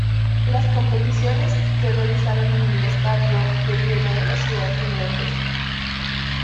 Las competiciones se realizaron en el Estadio de Hielo de la ciudad finlandesa.